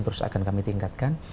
terus akan kami tingkatkan